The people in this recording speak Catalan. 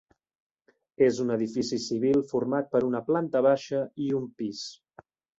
És un edifici civil format per una planta baixa i un pis.